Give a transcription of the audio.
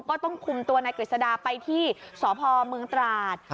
ก็ต้องคุมตัวนายกฤษดาไปที่สพเมืองตราด